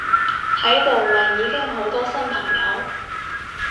喺度咪已經好多新朋友！